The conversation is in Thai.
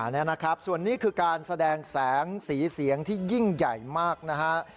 นี่นะครับส่วนนี้คือการแสดงแสงสีเสียงที่ยิ่งใหญ่มากนะฮะ